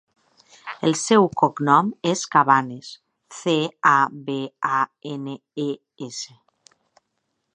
El seu cognom és Cabanes: ce, a, be, a, ena, e, essa.